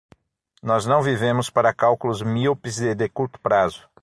Nós não vivemos para cálculos míopes e de curto prazo.